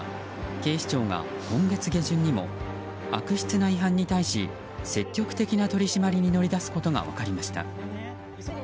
警視庁が今月下旬にも悪質な違反に対し積極的な取り締まりに乗り出すことが分かりました。